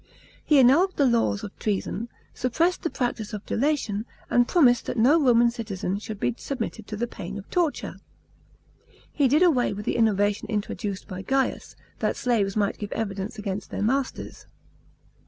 He annulled the laws of treason, suppressed the practice of delation, and promised that no Roman citizen should be submitted to the pain of torture. He did away with the innovation introduced by (Saius, that slaves might give evidence against their masters.